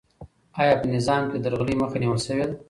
آیا په نظام کې د درغلۍ مخه نیول سوې ده؟